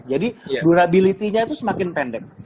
jadi durabilitinya itu semakin pendek